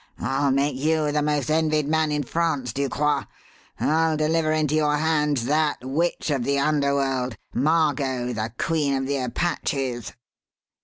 I'll make you the most envied man in France, Ducroix: I'll deliver into your hands that witch of the underworld, Margot, the Queen of the Apaches!"